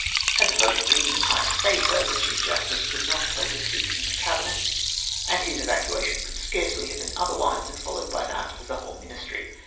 Had that vote been in my favour, the Chief Justice could not have held his seat in the Cabinet, and his evacuation could scarcely have been otherwise than followed by that of the whole ministry.